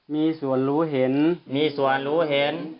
มีส่วนรู้เห็นมีส่วนรู้เห็น